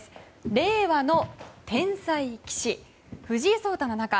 令和の天才棋士・藤井聡太七冠。